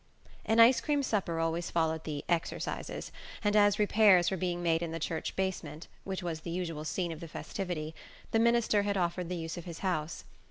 An ice cream supper always followed the "exercises," and as repairs were being made in the church basement, which was the usual scene of the festivity, the minister had offered the use of his house.